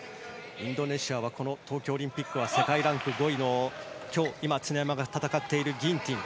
インドネシアは東京オリンピックは世界ランク５位の今、常山が戦っているギンティン。